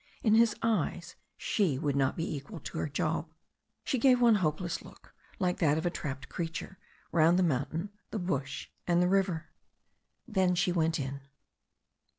In his eyes she would not be equal to her job. She gave one hopeless look, like that of a trapped crea ture, round the mountain, the bush and the river. Then she went in.